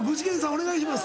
お願いします